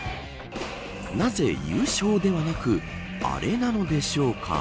なぜ優勝ではなくアレなのでしょうか。